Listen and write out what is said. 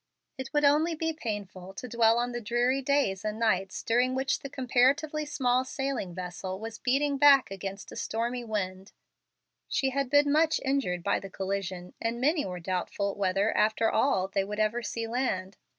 It would only be painful to dwell on the dreary days and nights during which the comparatively small sailing vessel was beating back against a stormy wind to the port from which she had sailed. She had been much injured by the collision, and many were doubtful whether, after all, they would ever see land.